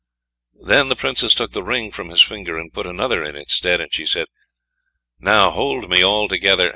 Then she took the ring from his finger, and put another in its stead; and she said: "Now hold me all together!